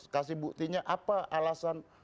kasih buktinya apa alasan